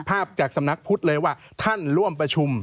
ภาพจากสำนักพุทธเลยว่าท่านร่วมประชุม